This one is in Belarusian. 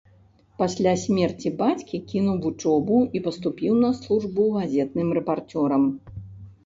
Пасля смерці бацькі кінуў вучобу і паступіў на службу газетным рэпарцёрам.